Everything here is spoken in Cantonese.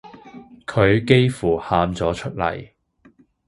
佢幾乎喊咗出嚟